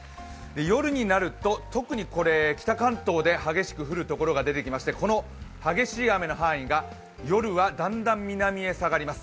夜になると特に北関東に激しく降るところがこの激しい雨の範囲が夜はだんだん南へ下がります。